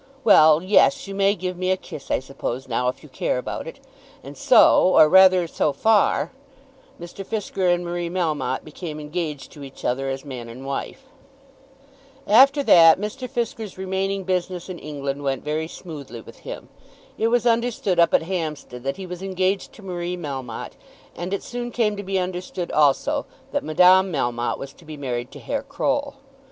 Well; yes; you may give me a kiss I suppose now if you care about it." And so, or rather so far, Mr. Fisker and Marie Melmotte became engaged to each other as man and wife. After that Mr. Fisker's remaining business in England went very smoothly with him. It was understood up at Hampstead that he was engaged to Marie Melmotte, and it soon came to be understood also that Madame Melmotte was to be married to Herr Croll.